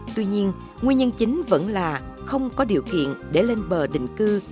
tuy nhiên nguyên nhân chính vẫn là không có điều kiện để lên bờ định cư